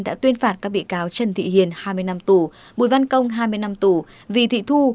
đã tuyên phạt các bị cáo trần thị hiền hai mươi năm tù bùi văn công hai mươi năm tù vì thị thu